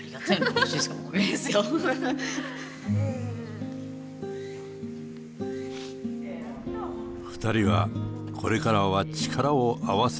２人はこれからは力を合わせていこうと意気投合。